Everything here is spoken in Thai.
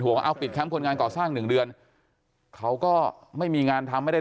ว่าเอาปิดแคมป์คนงานก่อสร้าง๑เดือนเขาก็ไม่มีงานทำไม่ได้